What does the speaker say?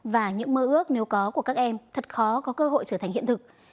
và những mơ ước nếu có của các em thật khó có cơ hội trở thành hiện thực